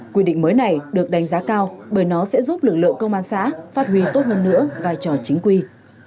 quy định mới này được đánh giá cao bởi nó sẽ giúp lực lượng công an xã phát huy tốt hơn nữa vai trò chính quy